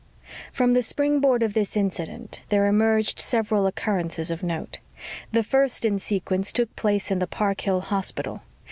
_From the springboard of this incident, there emerged several occurrences of note. The first in sequence took place in the Park Hill Hospital.